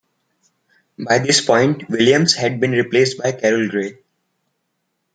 By this point, Williams had been replaced by Carol Grey.